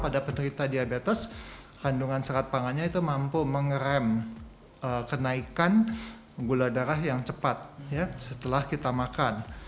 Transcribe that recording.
pada penderita diabetes kandungan serat pangannya itu mampu mengerem kenaikan gula darah yang cepat setelah kita makan